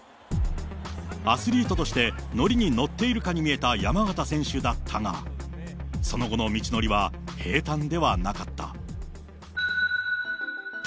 アスリートとして乗りに乗っているかに見えた山縣選手だったが、その後の道のりは、平たんではなかった。